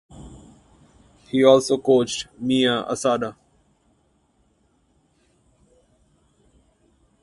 He also coached Mai Asada.